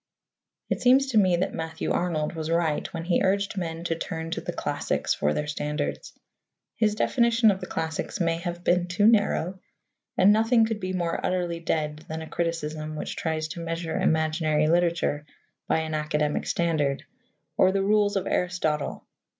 It seems to me that Matthew Arnold was right when he urged men to turn to the classics for their standards. His definition of the classics may have been too narrow, and nothing could be more utterly dead than a criticism which tries to measure imaginary literature by an academic standard or the rules of Aristotle.